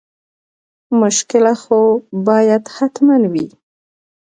مشکله خو باید حتما وي.